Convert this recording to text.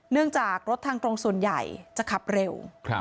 เนื่องจากรถทางตรงส่วนใหญ่จะขับเร็ว